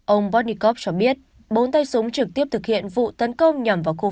ông botnikov cho biết bốn tay súng trực tiếp thực hiện vụ tấn công nhằm vào khủng bố